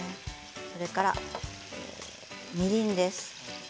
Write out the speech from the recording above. それからみりんです。